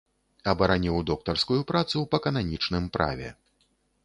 Абараніў доктарскую працу па кананічным праве.